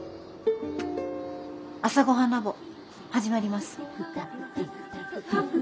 「朝ごはんＬａｂ．」始まります。